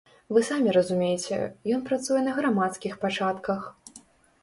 Вы самі разумееце, ён працуе на грамадскіх пачатках.